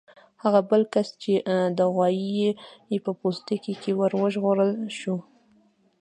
هغه بل کس چې د غوايي په پوستکي کې و وژغورل شو.